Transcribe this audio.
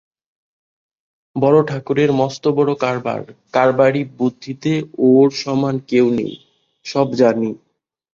বড়োঠাকুরের মস্তবড়ো কারবার, কারবারি বুদ্ধিতে ওঁর সমান কেউ নেই, সব জানি।